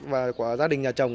và của gia đình nhà chồng